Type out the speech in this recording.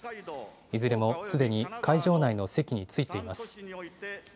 いずれもすでに会場内の席に着いています。